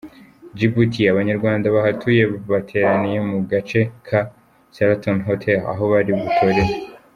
Djibuti: Abanyarwanda bahatuye bateraniye mu gace ka Sheraton Hotel aho bari butorere.